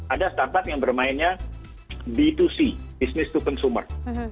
ada startup yang bermainnya b dua c business to consumer